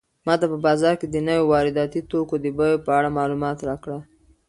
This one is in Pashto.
ماته په بازار کې د نويو وارداتي توکو د بیو په اړه معلومات راکړه.